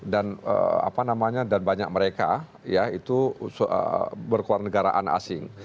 dan banyak mereka itu berkewarna negaraan asing